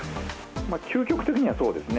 究極的にはそうですね。